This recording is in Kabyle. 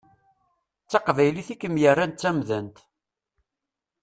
D taqbaylit i kem-yerran d tamdant.